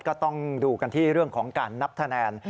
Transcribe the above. ก็ต้องดูกันที่เรื่องของการนับคะแนน